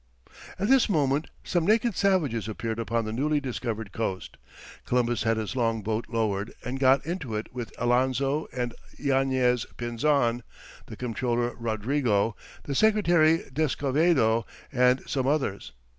At this moment, some naked savages appeared upon the newly discovered coast. Columbus had his long boat lowered, and got into it with Alonzo and Yanez Pinzon, the comptroller Rodrigo, the secretary Descovedo, and some others.